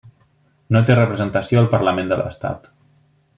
No té representació al parlament de l'estat.